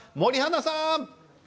森花さん！